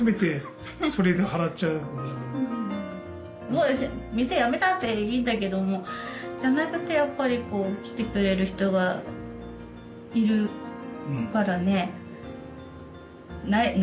もう店やめたっていいんだけどもじゃなくてやっぱりこう来てくれる人がいるからね。